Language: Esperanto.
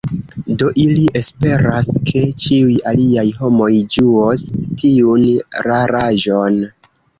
Do ili esperas, ke ĉiuj aliaj homoj ĝuos tiun raraĵon.